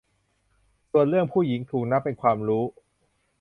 ส่วนเรื่อง 'ผู้หญิง' ถูกนับเป็นความรู้